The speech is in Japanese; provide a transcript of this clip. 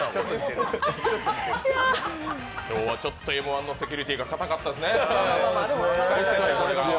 今日はちょっとＭ−１のセキュリティーが高かったですね。